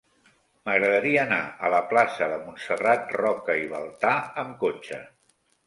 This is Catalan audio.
M'agradaria anar a la plaça de Montserrat Roca i Baltà amb cotxe.